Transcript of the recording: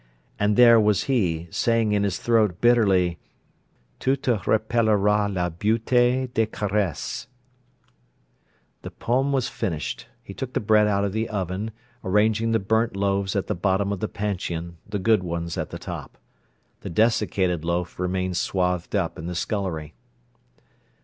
And there was he, saying in his throat bitterly: "Tu te rappelleras la beaûté des caresses." The poem was finished; he took the bread out of the oven, arranging the burnt loaves at the bottom of the panchion, the good ones at the top. The desiccated loaf remained swathed up in the scullery.